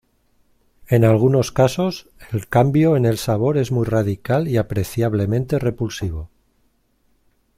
En algunos casos, el cambio en el sabor es muy radical y apreciablemente repulsivo.